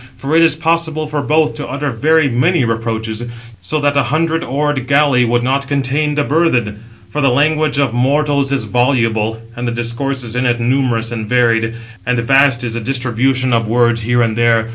For it is possible for both to utter very many reproaches, so that a hundred oared galley 655 would not contain the burthen; for the language of mortals is voluble, 656 and the discourses in it numerous and varied: and vast is the distribution 657 of words here and there.